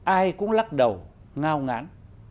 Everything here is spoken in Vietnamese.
ai cũng lắc đầu ngao ngán